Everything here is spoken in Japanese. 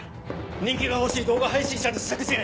人気が欲しい動画配信者の自作自演。